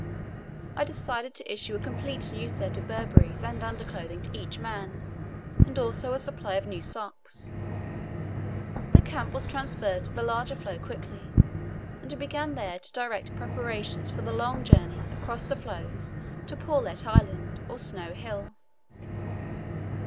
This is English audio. I decided to issue a complete new set of Burberrys and underclothing to each man, and also a supply of new socks. The camp was transferred to the larger floe quickly, and I began there to direct the preparations for the long journey across the floes to Paulet Island or Snow Hill.